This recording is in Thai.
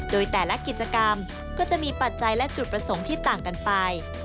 โดยแต่ละกิจกรรมก็จะมีปัจจัยและจุดประสงค์ที่ต่างกันไป